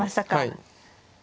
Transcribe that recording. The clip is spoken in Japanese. はい。